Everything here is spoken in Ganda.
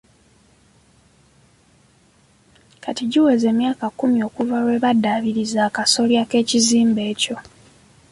Kati giweze emyaka kkumi okuva lwe baddaabiriza akasolya k'ekizimbe ekyo.